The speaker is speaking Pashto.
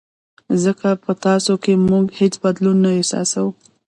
ځکه په تاسو کې موږ هېڅ بدلون نه احساسوو.